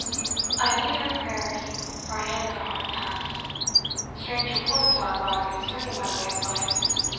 I need her prayers, for I am at a hard pass. Strange reports are abroad concerning my way of life.